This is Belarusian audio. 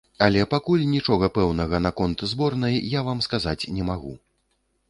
Але пакуль нічога пэўнага наконт зборнай я вам сказаць не магу.